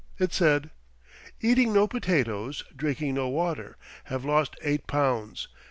It said: Eating no potatoes, drinking no water. Have lost eight pounds.